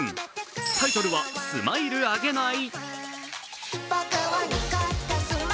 タイトルは「スマイルあげない」。